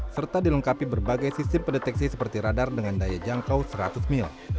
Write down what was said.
serta dilengkapi berbagai sistem pendeteksi seperti radar dengan daya jangkau seratus mil